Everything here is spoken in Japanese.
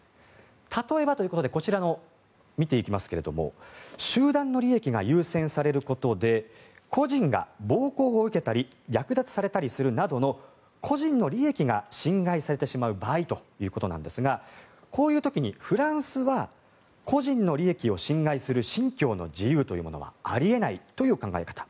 例えばということでこちらを見ていきますが集団の利益が優先されることで個人が暴行を受けたり略奪されたりするなどの個人の利益が侵害されてしまう場合ということですがこういう時にフランスは個人の利益を侵害する信教の自由というのはあり得ないという考え方。